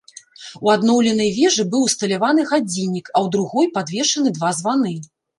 У адноўленай вежы быў усталяваны гадзіннік, а ў другой падвешаны два званы.